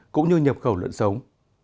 cũng như nhập khẩu lợn sống